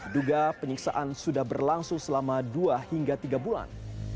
duga penyiksaan sudah berlangsung selama dua hingga tiga bulan